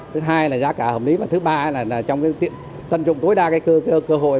thứ hai là giá cả hợp lý và thứ ba là tân trụng tối đa cơ hội